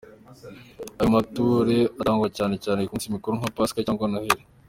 Ayo mature atangwa cyane cyane ku minsi mikuru nka Pasika cyangwa Noheli.